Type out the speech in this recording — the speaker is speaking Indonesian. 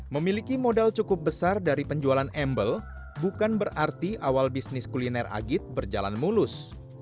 memiliki modal cukup besar dari penjualan embel bukan berarti awal bisnis kuliner agit berjalan mulus